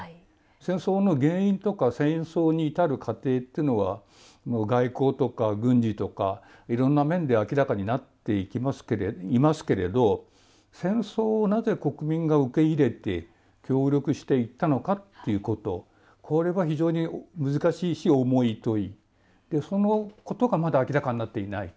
戦争の原因とか戦争に至る過程は外交とか軍事とか、いろんな面で明らかになっていますけれど戦争をなぜ国民が受け入れて協力していったのかということこれは非常に難しいし重い問いでそのことがまだ明らかになっていない。